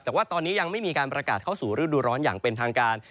แต่ว่าตอนนี้ยังไม่มีการประกาศเข้าสู่ฤดูร้อนอย่างเป็นทางการ